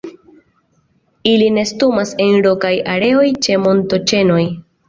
Ili nestumas en rokaj areoj ĉe montoĉenoj.